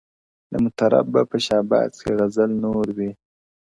د مطرب به په شهباز کي غزل نور وي!